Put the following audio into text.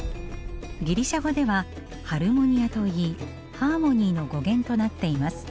ギリシャ語ではハルモニアといいハーモニーの語源となっています。